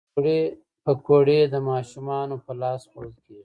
پکورې د ماشومانو په لاس خوړل کېږي